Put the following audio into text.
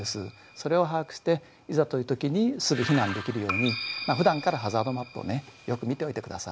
それを把握していざというときにすぐ避難できるようにふだんからハザードマップをねよく見ておいてください。